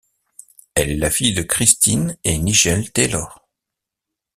Elle est la fille de Christine et Nigel Taylor.